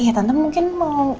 iya tante mungkin mau